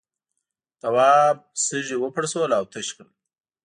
تواب سږي وپرسول او تش کړل.